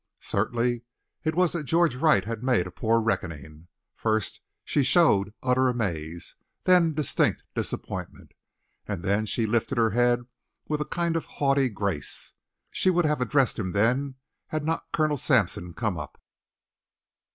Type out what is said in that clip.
Certain it was that George Wright had made a poor reckoning. First she showed utter amaze, then distinct disappointment, and then she lifted her head with a kind of haughty grace. She would have addressed him then, had not Colonel Sampson come up.